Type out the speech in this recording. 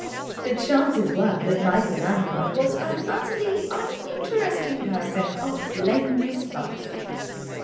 The chances were that Michael Lanyard was an utterly uninteresting person of blameless life.